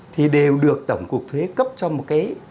thì đều được tổng cục thuế cấp cho một cái